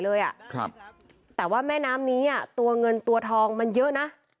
เลยครับแต่ว่าแม่น้ำนี้อ่ะตัวเงินตัวทองมันเยอะนะ